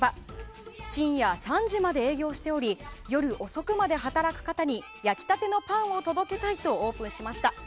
深夜３時まで営業しており夜遅くまで働く方に焼きたてのパンを届けたいとオープンしました。